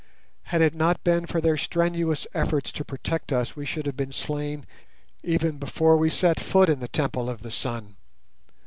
Had it not been for their strenuous efforts to protect us we should have been slain even before we set foot in the Temple of the Sun.